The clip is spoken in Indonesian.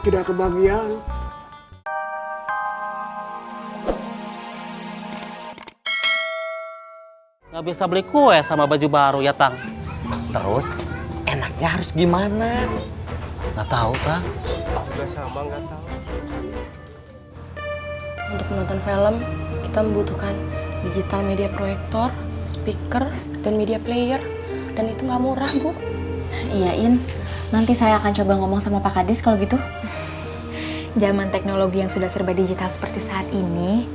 dengan teknologi yang sudah serba digital seperti saat ini